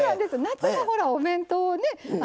夏場ほらお弁当をね